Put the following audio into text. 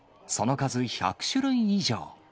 その数、１００種類以上。